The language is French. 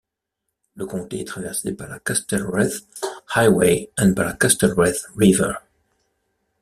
Le Comté est traversé par la Castlereagh Highway et par la Castlereagh River.